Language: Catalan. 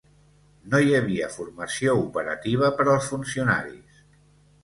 No hi havia formació operativa per als funcionaris.